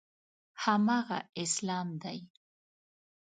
هماغه اسلام دی.